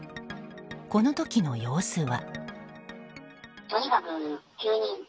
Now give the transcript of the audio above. この時の様子は。